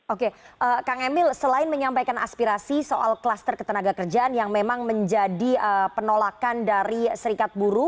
oke kang emil selain menyampaikan aspirasi soal kluster ketenaga kerjaan yang memang menjadi penolakan dari serikat buruh